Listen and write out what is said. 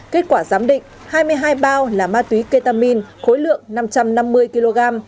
kết quả giám định hai mươi hai bao là ma túy ketamin khối lượng năm trăm năm mươi kg